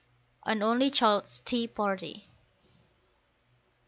AN ONLY CHILD'S TEA PARTY.